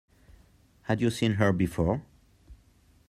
Had you seen her before?